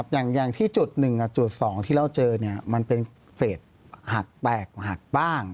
อย่างที่จุดหนึ่งจุดสองที่เราเจอเนี่ยเป็นเศษหักแปลกหักบ้าง